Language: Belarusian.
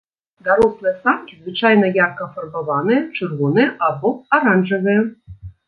Дарослыя самкі звычайна ярка афарбаваныя, чырвоныя або аранжавыя.